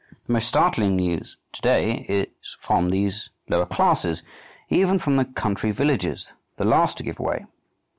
The most startling news to day is from these lower classes, even from the country villages, the last to give way.